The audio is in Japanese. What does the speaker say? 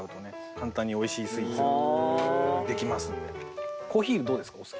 簡単においしいスイーツができますので。